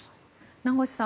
名越さん